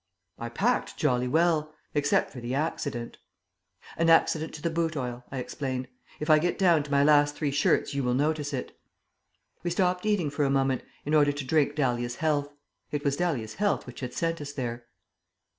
"I packed jolly well except for the accident." "An accident to the boot oil," I explained. "If I get down to my last three shirts you will notice it." We stopped eating for a moment in order to drink Dahlia's health. It was Dahlia's health which had sent us there.